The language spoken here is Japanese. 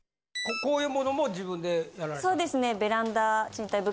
こういうものも自分でやられてる？